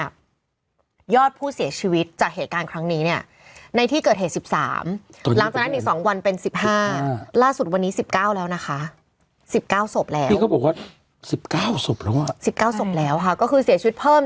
ล่าสุดตอนนี้เนี่ยยอดผู้เสียชีวิตจากเหตุการณ์ครั้งนี้เนี่ย